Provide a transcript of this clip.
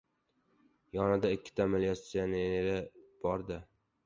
Yonida ikkita militsioneri-da bor.